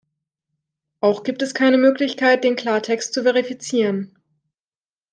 Auch gibt es keine Möglichkeit, den Klartext zu verifizieren.